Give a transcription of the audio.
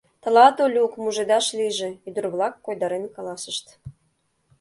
— Тылат, Олюк, мужедаш лийже! — ӱдыр-влак койдарен каласышт.